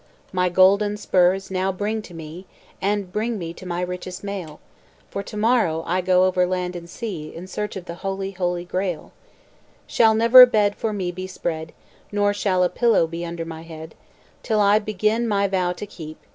"My golden spurs now bring to me, And bring to me my richest mail, For to morrow I go over land and sea In search of the Holy, Holy Grail Shall never a bed for me be spread, Nor shall a pillow be under my head, Till I begin my vow to keep.